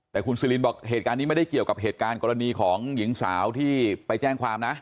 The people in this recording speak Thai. แต่คุณซิลินบอกเหตุการณ์นี้ไม่ได้เกี่ยวกับเหตุการณ์กรณีของหญิงสาวที่ไปแจ้งความนะ